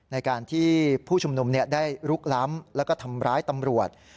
ในการที่ผู้ชุมนุมได้ลุกล้ำแล้วก็ทำร้ายตำรวจ